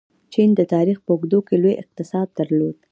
چین د تاریخ په اوږدو کې لوی اقتصاد درلود.